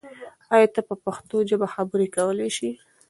آیا ته په پښتو ژبه خبرې کولای سې؟